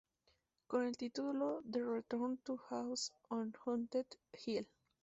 Con el título de Return to House on Haunted Hill.